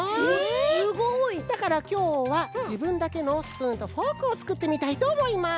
だからきょうはじぶんだけのスプーンとフォークをつくってみたいとおもいます。